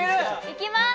いきます！